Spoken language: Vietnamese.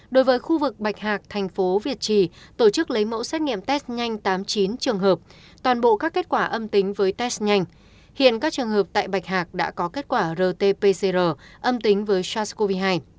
đối với khu vực bạch hạc thành phố việt trì tổ chức lấy mẫu xét nghiệm test nhanh tám mươi chín trường hợp toàn bộ các kết quả âm tính với test nhanh hiện các trường hợp tại bạch hạc đã có kết quả rt pcr âm tính với sars cov hai